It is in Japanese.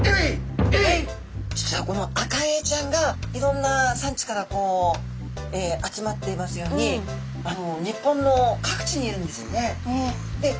実はこのアカエイちゃんがいろんな産地から集まっていますように日本の各地にいるんですね。